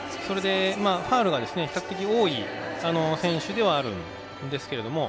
ファウルが比較的多い選手ではあるんです。